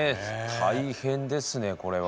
大変ですねこれは。